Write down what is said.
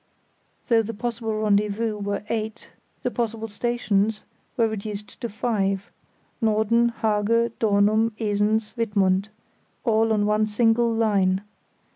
Though the possible rendezvous were eight, the possible stations were reduced to five—Norden, Hage, Dornum, Esens, Wittmund—all on one single line.